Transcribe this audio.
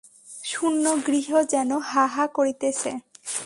শূন্য গৃহ যেন হাঁ হাঁ করিতেছে।